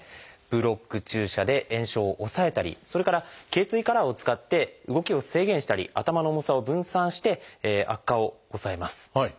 ブロック注射で炎症を抑えたりそれから頚椎カラーを使って動きを制限したり頭の重さを分散して悪化を抑えます。